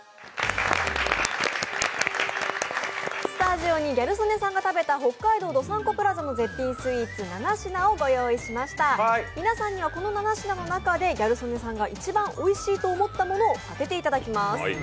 スタジオにギャル曽根さんが食べた北海道どさんこプラザの絶品スイーツ７品をご用意しました皆さんにはこの７品の中でギャル曽根さんが一番おいしいと思ったものを当てていただきます。